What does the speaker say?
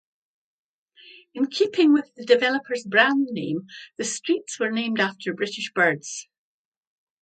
In keeping with the developer's brand name, the streets were named after British birds.